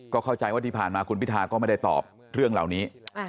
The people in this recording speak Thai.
เข้าใจว่าที่ผ่านมาคุณพิทาก็ไม่ได้ตอบเรื่องเหล่านี้